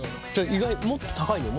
意外もっと高いんだよ。